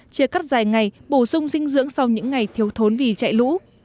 chia cắt dài ngày bổ sung dinh dưỡng sau những ngày thiếu thốn vì chạy lũ